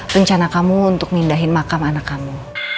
rencana kamu untuk mindahin makam anak kamu